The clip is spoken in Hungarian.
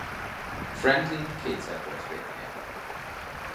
Franklin kétszer volt férjnél.